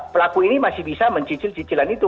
pelaku ini masih bisa mencicil cicilan itu